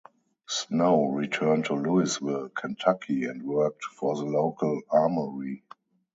Snow returned to Louisville, Kentucky and worked for the local armory.